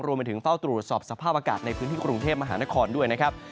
รวมไปถึงเฝ้าตรวจสอบสภาพอากาศในพื้นที่กรุงเทพมหานครด้วยนะครับ